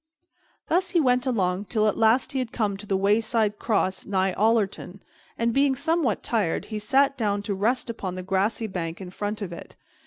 Thus he went along till at last he had come to the wayside cross nigh Ollerton, and, being somewhat tired, he sat him down to rest upon the grassy bank in front of it.